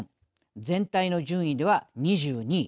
全体の順位では２２位。